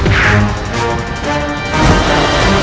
jurus bedang maya